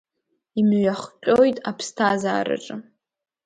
Имҩахҟьоит аԥсҭазаараҿы.